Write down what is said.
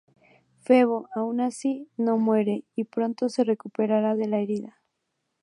Febo, aun así, no muere y pronto se recupera de la herida.